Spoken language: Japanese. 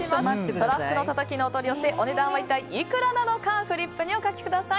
とらふくのたたきのお取り寄せお値段は一体いくらなのかフリップにお書きください。